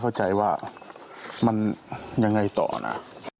เข้าใจว่ามันยังไงต่อนะ